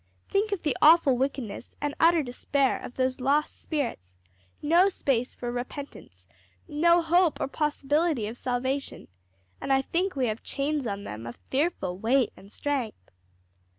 Think of the awful wickedness and utter despair of those lost spirits no space for repentance, no hope or possibility of salvation and I think we have chains on them of fearful weight and strength."